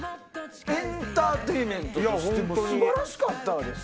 エンターテインメントとしても素晴らしかった。